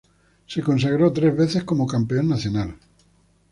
Se consagró tres veces como campeón nacional.